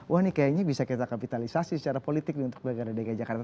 wah ini kayaknya bisa kita kapitalisasi secara politik untuk pilkada dki jakarta